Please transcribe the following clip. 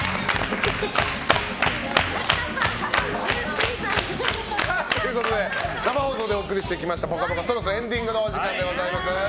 ミニも出た！ということで生放送でお送りしてきました「ぽかぽか」そろそろエンディングのお時間でございます。